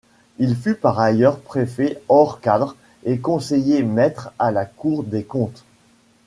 Il fut par ailleurs préfet hors cadre et conseiller-maître à la Cour des comptes.